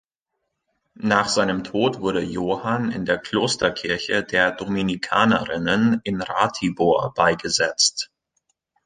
Nach seinem Tod wurde Johann in der Klosterkirche der Dominikanerinnen in Ratibor beigesetzt.